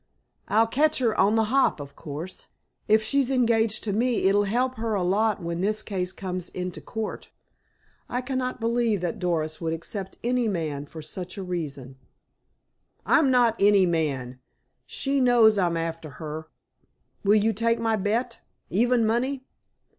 "I'll catch her on the hop, of course. If she's engaged to me it'll help her a lot when this case comes into court." "I cannot believe that Doris would accept any man for such a reason." "I'm not 'any man.' She knows I'm after her. Will you take my bet, even money?"